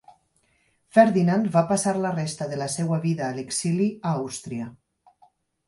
Ferdinand va passar la resta de la seva vida a l'exili a Àustria.